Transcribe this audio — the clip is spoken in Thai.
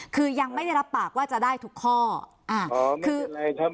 คือยังไม่ได้รับปากว่าจะได้ทุกข้อ